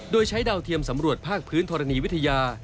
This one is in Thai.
โดยใช้ดาวเทียมสำรวจภาคพื้นธรณีวิทยา